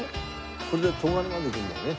これで東金まで行くんだよね？